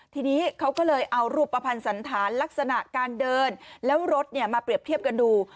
ทีนี้เขาก็เลยเอารูปภัณฑ์สันธารลักษณะการเดินแล้วรถมาเปรียบเทียบกันดู